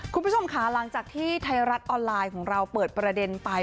คุณผู้ชมค่ะหลังจากที่ไทยรัฐออนไลน์ของเราเปิดประเด็นไป